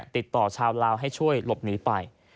ติดต่อชาวลาวให้ช่วยหลบหนีไป